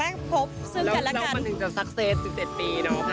แล้วก็มันถึงจะสักเศษ๑๗ปีเนอะค่ะ